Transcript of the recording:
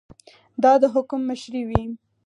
دا د حکم مشري وه.